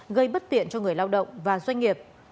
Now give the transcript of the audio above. gây bất tiện cho người lao động và doanh nghiệp